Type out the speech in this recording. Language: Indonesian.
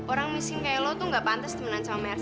orang miskin kayak lo tuh gak pantas temenan sama merci